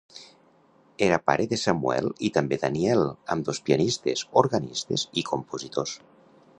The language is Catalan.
Era pare de Samuel i també Daniel, ambdós pianistes, organistes i compositors.